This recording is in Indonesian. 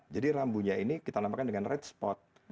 jadi rambunya ini kita namakan dengan red spot